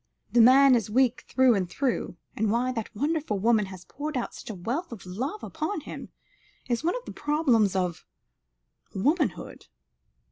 The man is weak through and through, and why that wonderful woman has poured out such a wealth of love upon him, is one of the problems of womanhood."